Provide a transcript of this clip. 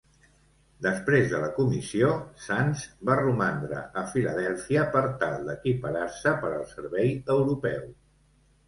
Després de la comissió, "Sands" va romandre a Philadelphia per tal d'equipar-se per al servei europeu.